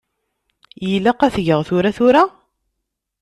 Ilaq ad t-geɣ tura tura?